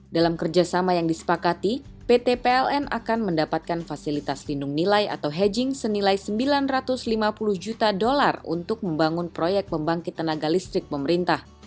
dalam kerjasama yang disepakati pt pln akan mendapatkan fasilitas lindung nilai atau hedging senilai sembilan ratus lima puluh juta dolar untuk membangun proyek pembangkit tenaga listrik pemerintah